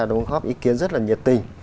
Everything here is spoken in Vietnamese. đồng hợp ý kiến rất là nhiệt tình